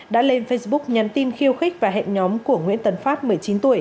đã lên facebook nhắn tin khiêu khích và hẹn nhóm của nguyễn tấn phát một mươi chín tuổi